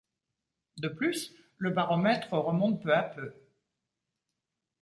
De plus, le baromètre remonte peu à peu.